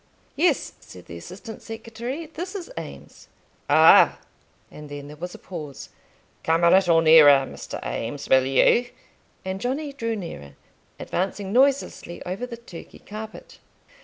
"Yes," said the assistant secretary, "this is Eames." "Ah!" and then there was a pause. "Come a little nearer, Mr. Eames, will you?" and Johnny drew nearer, advancing noiselessly over the Turkey carpet.